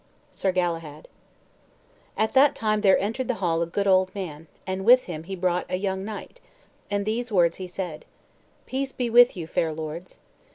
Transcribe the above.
SIR GALAHAD At that time there entered the hall a good old man, and with him he brought a young knight, and these words he said: "Peace be with you, fair lords."